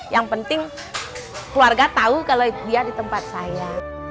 yang penting keluarga tahu kalau dia di tempat saya